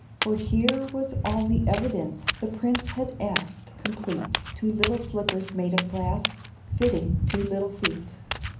For here was all the evidence The Prince had asked, complete, Two little slippers made of glass, Fitting two little feet.